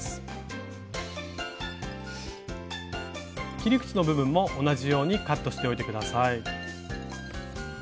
切り口の部分も同じようにカットしておいて下さい。